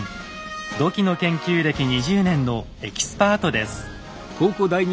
土器の研究歴２０年のエキスパートです。